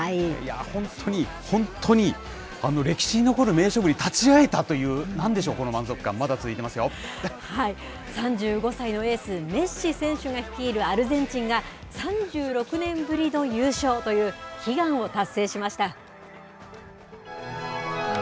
本当に、本当に、歴史に残る名勝負に立ち会えたという、なんでしょう、この満足感、３５歳のエース、メッシ選手が率いるアルゼンチンが、３６年ぶりの優勝という悲願を達成しました。